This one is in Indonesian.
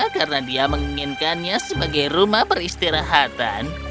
karena dia menginginkannya sebagai rumah peristirahatan